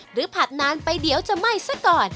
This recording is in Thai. ผัดนานไปเดี๋ยวจะไหม้ซะก่อน